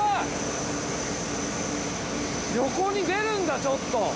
横に出るんだちょっと。